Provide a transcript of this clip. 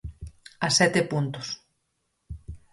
A sete puntos.